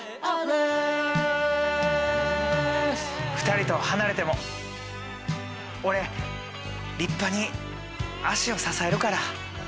２人と離れても俺立派に足を支えるから。